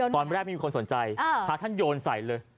ไม่มีคนสนใจพาท่านโยนใส่เลย